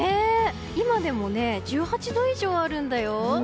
今でも１８度以上あるんだよ。